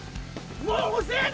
もう遅えだ！